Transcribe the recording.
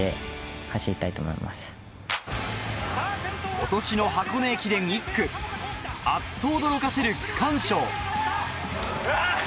今年の箱根駅伝１区、あっと驚かせる区間賞。